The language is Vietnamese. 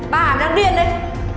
bà hả mày đang điên đấy